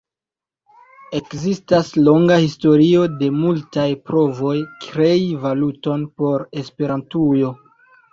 Ekzistas longa historio de multaj provoj krei valuton por Esperantujo.